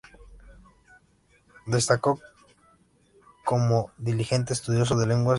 Destacó como un diligente estudioso de lenguas y literaturas extranjeras, especialmente de Europa Oriental.